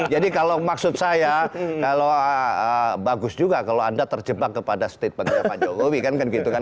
jadi kalau maksud saya kalau bagus juga kalau anda terjebak kepada statementnya pak jokowi kan gitu kan